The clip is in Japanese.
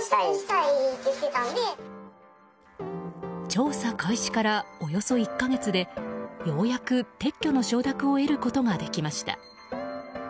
調査開始から、およそ１か月でようやく撤去の承諾を得ることができました。